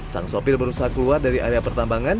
sang sopir berusaha keluar dari area pertambangan